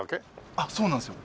あっそうなんですよ。